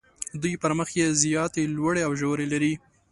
دوی پر مخ یې زیاتې لوړې او ژورې لري.